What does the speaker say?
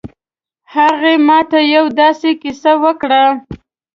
هغې ما ته یو ه داسې کیسه وکړه